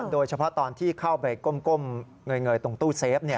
โดยเฉพาะตอนที่เข้าไปก้มเงยตรงตู้เซฟ